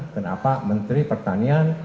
kenapa menteri pertanian